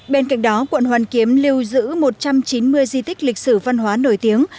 bên cạnh đó quận hoàn kiếm lưu giữ một trăm chín mươi di tích lịch sử văn hóa nổi tiếng